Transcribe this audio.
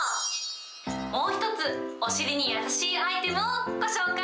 もう１つ、お尻にやさしいアイテムをご紹介。